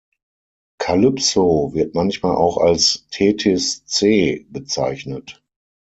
Calypso wird manchmal auch als "Tethys C" bezeichnet.